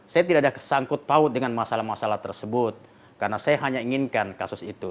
saya tidak ada kesangkut paut dengan masalah masalah tersebut karena saya hanya inginkan kasus itu